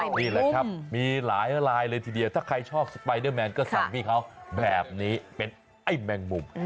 นี่แหละครับมีหลายลายเลยทีเดียวถ้าใครชอบสไปเดอร์แมนก็สั่งพี่เขาแบบนี้เป็นไอ้แมงมุม